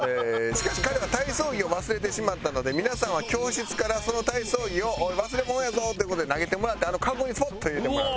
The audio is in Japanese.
しかし彼は体操着を忘れてしまったので皆さんは教室からその体操着をおい忘れ物やぞ！っていう事で投げてもらってあのカゴにスポッと入れてもらう。